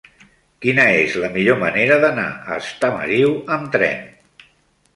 Quina és la millor manera d'anar a Estamariu amb tren?